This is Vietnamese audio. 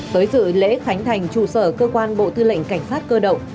tới dự lễ khánh thành chủ sở cơ quan bộ thư lệnh cảnh sát cơ động